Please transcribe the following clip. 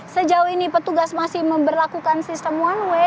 sejauh ini petugas masih memperlakukan sistem one way